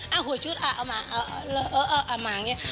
เอ้าหวยชุดเอามา